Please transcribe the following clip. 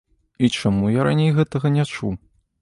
І чаму я раней гэтага не чуў?